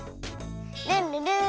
ルンルルーン。